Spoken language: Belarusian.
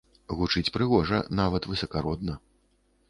Гучыць прыгожа, нават высакародна.